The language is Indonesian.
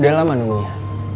udah lama nunggu ya